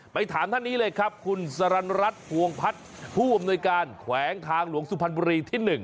ถามท่านนี้เลยครับคุณสรรรัฐภวงพัฒน์ผู้อำนวยการแขวงทางหลวงสุพรรณบุรีที่๑